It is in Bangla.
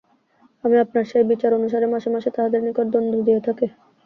আমি আপনার সেই বিচার অনুসারে মাসে মাসে তাহাদের নিকট দণ্ড দিয়া থাকি।